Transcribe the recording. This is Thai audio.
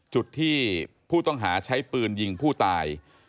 จุดที่ผู้ต้องหาใช้ปืนยิงผู้ตาย